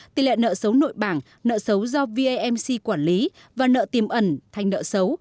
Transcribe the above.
tỷ lệ nợ xấu nội bảng nợ xấu do vamc quản lý và nợ tiềm ẩn thành nợ xấu